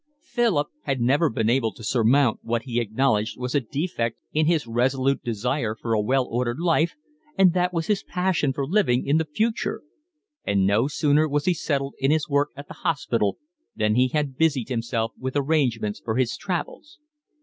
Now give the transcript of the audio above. Philip had never been able to surmount what he acknowledged was a defect in his resolute desire for a well ordered life, and that was his passion for living in the future; and no sooner was he settled in his work at the hospital than he had busied himself with arrangements for his travels.